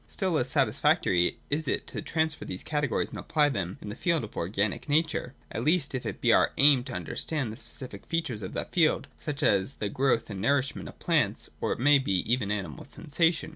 Still less satisfactory is it to transfer these categories and apply them in the field of organic nature ; at least if it be our aim to understand the specific features of that field, such as the growth and nourish ment of plants, or, it may be, even animal sensation.